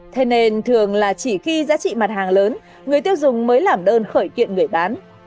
thế nên thường là chỉ khi giá trị mặt hàng lớn người tiêu dùng mới làm đơn khởi kiện người bán